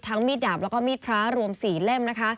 ทั้งมีดดาบและมีดพระรวม๔เล่ม